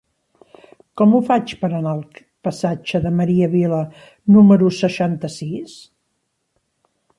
Com ho faig per anar al passatge de Maria Vila número seixanta-sis?